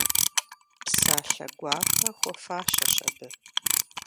Псалъэ гуапэ хуэфащэщ абы.